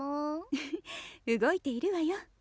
フフッ動いているわよ。